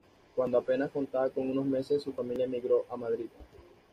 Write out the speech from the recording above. Cuando apenas contaba con unos meses su familia emigró a Madrid.